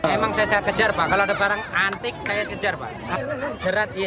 emang saya kejar pak kalau ada barang antik saya kejar pak